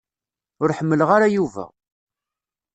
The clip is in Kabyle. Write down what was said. Ur ḥemmleɣ ara Yuba.